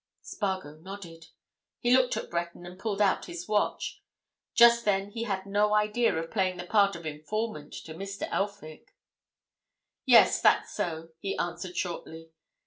Spargo nodded. He looked at Breton, and pulled out his watch. Just then he had no idea of playing the part of informant to Mr. Elphick. "Yes, that's so," he answered shortly.